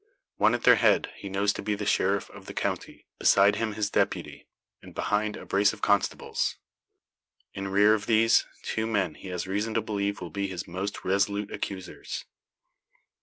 One at their head he knows to be the Sheriff of the county; beside him his Deputy, and behind a brace of constables. In rear of these, two men he has reason to believe will be his most resolute accusers.